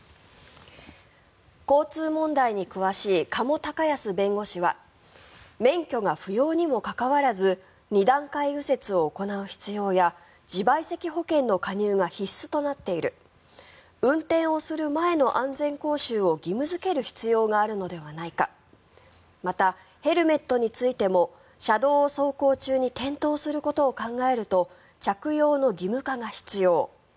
交通問題に詳しい加茂隆康弁護士は免許が不要にもかかわらず二段階右折を行う必要や自賠責保険の加入が必須となっている運転をする前の安全講習を義務付ける必要があるのではないかまた、ヘルメットについても車道を走行中に転倒することを考えると着用の義務化が必要。